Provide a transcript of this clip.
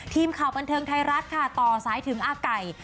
ทีมข่าวบันเทิงไทยรัฐค่ะต่อสายถึงอาไก่